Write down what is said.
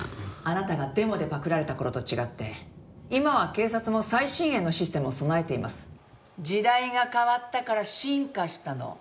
「あなたがデモでパクられた頃と違って今は警察も最新鋭のシステムを備えています」時代が変わったから進化したの。